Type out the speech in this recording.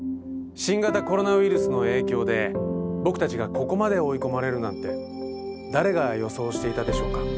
新型コロナウイルスの影響で僕たちがここまで追い込まれるなんて誰が予想していたでしょうか。